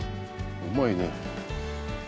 うまいね。